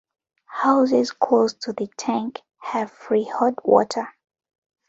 Houses close to the tank, have free hot water.